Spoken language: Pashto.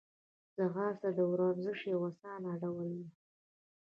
ځغاسته د ورزش یو آسانه ډول دی